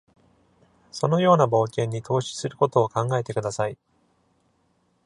そのような冒険に、投資することを考えてください。